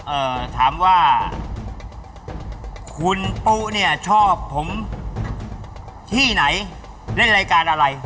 เอ่อถามว่าคุณปุ๊เนี่ยชอบผมที่ไหนเล่นรายการอะไร